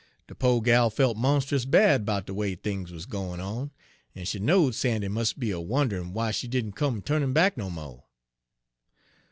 De po' gal felt monst'us bad 'bout de way things wuz gwine on, en she knowed Sandy mus' be a wond'rin' why she didn' come en turn 'im back no mo'.